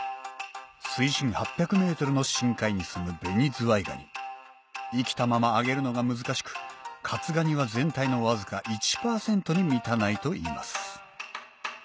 水深８００ｍの深海にすむ紅ずわいがに生きたまま揚げるのが難しく活がには全体のわずか１％に満たないといいます